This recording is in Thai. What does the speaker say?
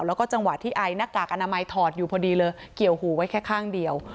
แล้วก็จังหวะที่ไอหน้ากากอนามัยถอดอยู่พอดีเลยเกี่ยวหูไว้แค่ข้างเดียว